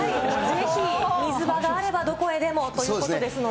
ぜひ水場があればどこへでもということですので。